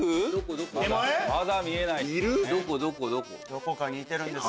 どこかにいてるんです。